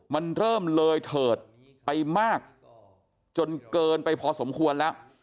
มันเริ่มเลยเถิดไปมากจนเกินไปพอสมควรแล้ว